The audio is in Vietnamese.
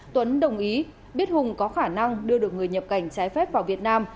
tuấn đồng ý biết hùng có khả năng đưa được người nhập cảnh trái phép vào việt nam